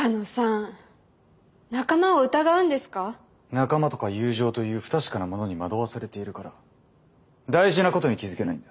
仲間とか友情という不確かなものに惑わされているから大事なことに気付けないんだ。